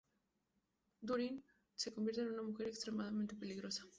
Doreen se convierte en una mujer extremadamente peligrosa.